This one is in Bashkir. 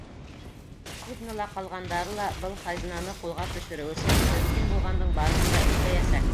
Суднола ҡалғандары ла был хазинаны ҡулға төшөрөү өсөн мөмкин булғандың барыһын да эшләйәсәк.